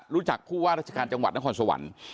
รู้จักผู้ว่าราชการจังหวัดนครสวรรค์